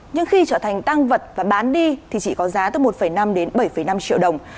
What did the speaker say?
nhưng khi trở thành tăng vật và bán đi thì chỉ có giá từ một năm đến bảy năm triệu đồng